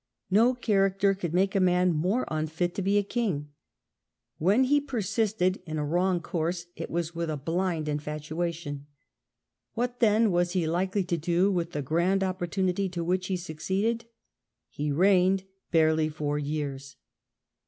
No character could make a man more unfit to be a king. When he persisted in a wrong course it was with a blind infatuation. What, then, was he likely to do with the grand opportunity to which he succeeded? He reigned barely four years.